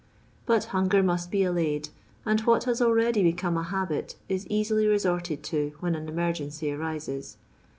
But hunger must be allayed, and what has already become a habit, is easily resorted to, when an emergency arises.